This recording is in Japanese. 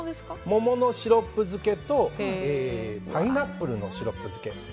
桃のシロップ漬けとパイナップルのシロップ漬けです。